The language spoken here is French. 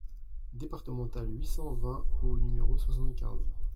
DEPARTEMENTALE huit cent vingt au numéro soixante-quinze